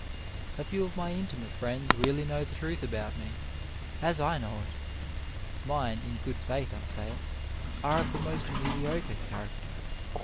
A few of my intimate friends 14 OF LIFE really know the truth about me, as I know it! Mine, in good faith I say it, are of the most mediocre character.